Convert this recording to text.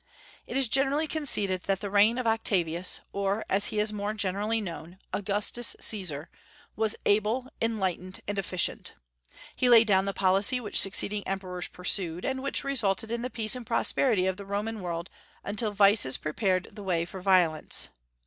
It is generally conceded that the reign of Octavius or, as he is more generally known, Augustus Caesar was able, enlightened, and efficient. He laid down the policy which succeeding emperors pursued, and which resulted in the peace and prosperity of the Roman world until vices prepared the way for violence.